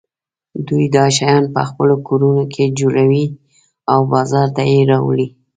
دوی دا شیان په خپلو کورونو کې جوړوي او بازار ته یې راوړي.